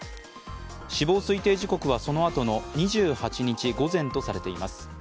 死亡推定時刻はそのあとの２８日午前とされています。